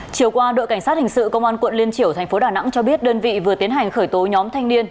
chiều qua đội cảnh sát hình sự công an quận liên triểu thành phố đà nẵng cho biết đơn vị vừa tiến hành khởi tố nhóm thanh niên